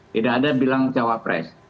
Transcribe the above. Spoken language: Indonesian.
tidak ada bilang cawapres